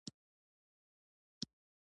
د اسلام دین موږ زړه سوي ته رابولي